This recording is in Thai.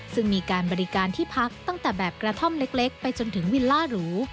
ซึ่งมีการบริการที่พักตั้งแต่แบบกระท่อมเล็กไปจนถึงวิลล่าหรู